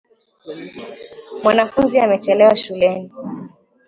Mwanafunzi amechelewa shuleni.